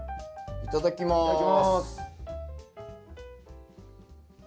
いただきます。